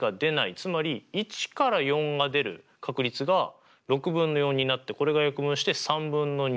つまり１から４が出る確率が６分の４になってこれが約分をして３分の２。